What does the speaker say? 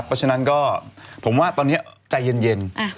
เพราะฉะนั้นก็ผมว่าตอนนี้ใจเย็น